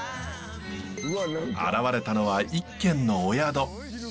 現れたのは一軒のお宿。